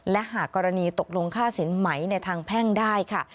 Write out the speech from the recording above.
และหากกรณีตกลงค่าสินไหมในทางแพ่งได้ค่ะ